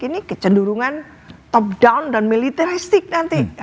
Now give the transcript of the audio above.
ini kecenderungan top down dan militeristik nanti